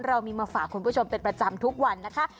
เรามีมาฝากคุณผู้ชมเป็นประจำทุกวันนะคะ